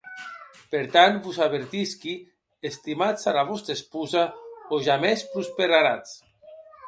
Per tant, vos avertisqui, estimatz ara vòsta esposa o jamès prosperaratz.